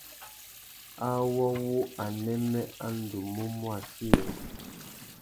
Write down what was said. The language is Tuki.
Awô wu anêmê a ndú mú mù achiya.